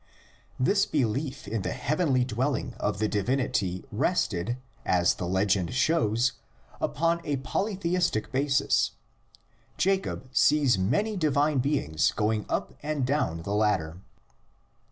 This belief in the heavenly dwelling of the divinity rested, as the legend shows, upon a polytheistic 106 THE LEGENDS OF GENESIS. basis: Jacob sees many divine beings going up and down the ladder.